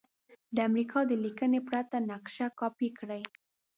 د امریکا د لیکنې پرته نقشه کاپې کړئ.